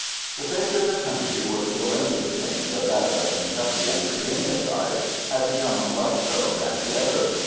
The face of the country was still interesting, but that of the Kentucky and Virginia side had become less so than the other.